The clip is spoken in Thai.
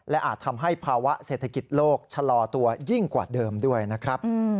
และอาจทำให้ภาวะเศรษฐกิจโลกชะลอตัวยิ่งกว่าเดิมด้วยนะครับ